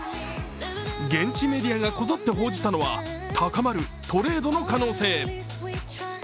現地メディアがこぞって報じたのは高まるトレードの可能性。